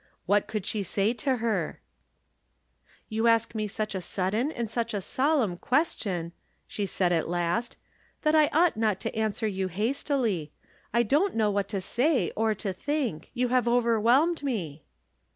What could she say to her ?" You ask me such a sudden and such a solemn question," she said at last, " that I ought not to answer you hastily. I don't know what to say or to think. You have overwhelmed me."